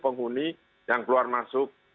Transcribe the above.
penghuni yang keluar masuk